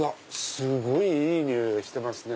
すごいいい匂いがしてますね。